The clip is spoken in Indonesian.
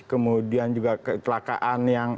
kemudian juga kecelakaan yang